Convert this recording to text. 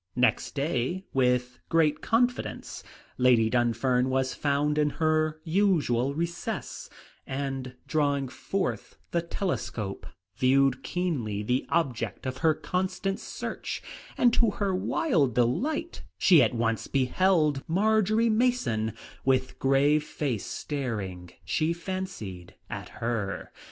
Next day, with great confidence, Lady Dunfern was found in her usual recess, and drawing forth the telescope, viewed keenly the object of her constant search, and to her wild delight she at once beheld Marjory Mason with grave face staring, she fancied, at her.